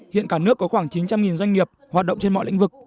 hiện cả nước có khoảng chín trăm linh doanh nghiệp hoạt động trên mọi lĩnh vực